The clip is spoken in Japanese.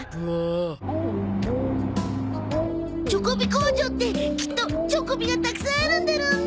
工場ってきっとチョコビがたくさんあるんだろうね。